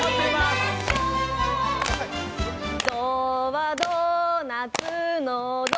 ドはドーナツのド。